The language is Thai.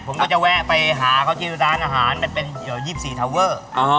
ผมก็จะแวะไปหาเขาที่ร้านอาหารมันเป็น๒๔ทาวเวอร์